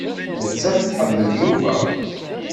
Nettat tḥemmel Yuba.